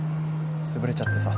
つぶれちゃってさ。